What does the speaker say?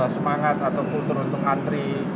semangat atau kultur untuk antri